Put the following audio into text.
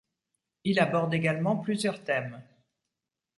Il aborde également plusieurs thèmes.